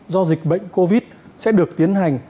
do dịch bệnh covid sẽ được tiến hành